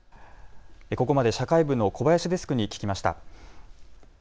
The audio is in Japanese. ここまで社会部の小林デスクに聞きました。